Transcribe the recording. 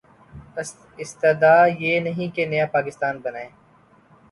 استدعا یہ نہیں کہ نیا پاکستان بنائیں۔